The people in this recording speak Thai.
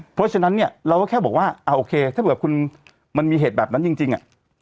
เพราะฉะนั้นเนี่ยเราก็แค่บอกว่าโอเคถ้าเผื่อคุณมันมีเหตุแบบนั้นจริง